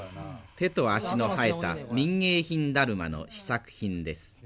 手と足の生えた民芸品だるまの試作品です。